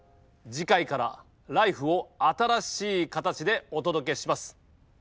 次回から「ＬＩＦＥ！」を新しい形でお届けします。